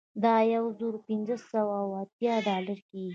دا یو زر پنځه سوه اوه اتیا ډالره کیږي